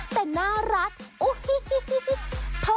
แต่น่ารัก